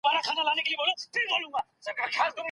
ستاسو شتون ارزښتناک دی.